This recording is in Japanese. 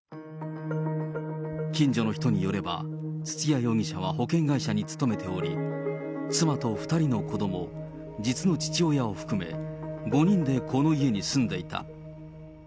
近所の人によれば、土屋容疑者は保険会社に勤めており、妻と２人の子ども、実の父親を含め、５人でこの家に住んでいた。